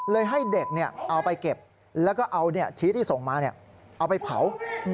ให้เด็กเอาไปเก็บแล้วก็เอาชี้ที่ส่งมาเอาไปเผา